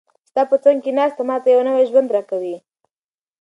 ستا په څنګ کې ناسته، ما ته یو نوی ژوند راکوي.